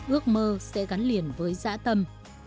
ước mơ sẽ gắn liền với giã tâm